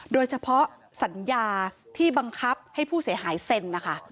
โดยเฉพาะสัญญาที่บังคับให้ผู้เสียหายเซ็นนะคะ